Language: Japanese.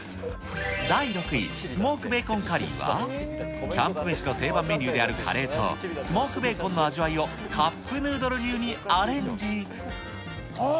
第６位、スモークベーコンカリーは、キャンプ飯の定番メニューであるカレーと、スモークベーコンの味わいをカップヌードル流にアレンジ。